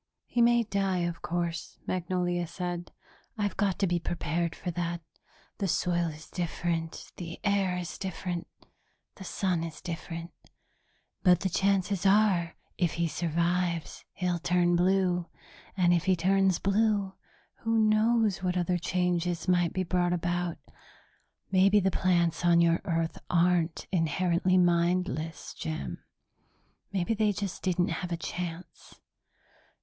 "He may die, of course," Magnolia said. "I've got to be prepared for that. The soil is different, the air is different, the sun is different. But the chances are, if he survives, he'll turn blue. And if he turns blue, who knows what other changes might be brought about? Maybe the plants on your Earth aren't inherently mindless, Jim. Maybe they just didn't have a chance.